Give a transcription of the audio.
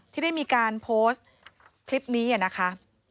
ที่ได้มีการโพสต์คลิปนี้นะคะ